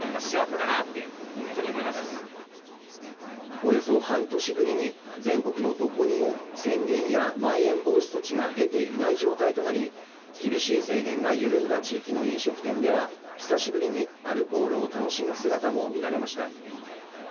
およそ半年ぶりに全国のどこにも宣言やまん延防止措置が出ていない状態となり厳しい制限が緩んだ地域の飲食店では久しぶりにアルコールを楽しむ姿も見られました